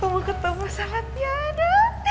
aku mau ketemu sama tiara